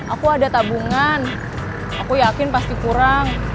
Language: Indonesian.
aku ada tabungan aku yakin pasti kurang